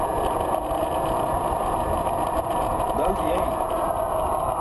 dal diyein